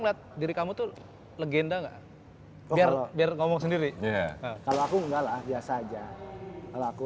lihat diri kamu tuh legenda enggak biar biar ngomong sendiri kalau aku enggak lah biasa aja kalau aku